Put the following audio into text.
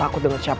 aku sudah eenyep